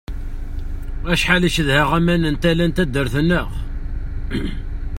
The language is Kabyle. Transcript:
Acḥal cedheɣ aman n tala n taddart-nneɣ!